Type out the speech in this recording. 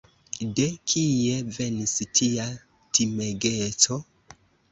De kie venis tia timegeco?